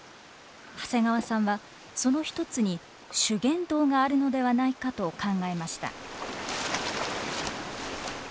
長谷川さんはその一つに修験道があるのではないかと考えました。